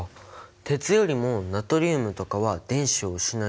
鉄よりもナトリウムとかは電子を失いやすい。